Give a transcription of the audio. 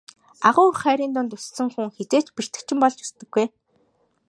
Агуу их хайрын дунд өссөн хүн хэзээ ч бэртэгчин болж өсдөггүй.